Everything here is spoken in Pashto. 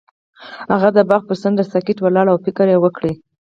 هغه د باغ پر څنډه ساکت ولاړ او فکر وکړ.